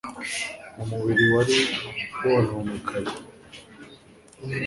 mu mubiri wari wononekaye.